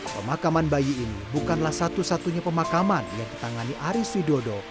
pemakaman bayi ini bukanlah satu satunya pemakaman yang ditangani aris widodo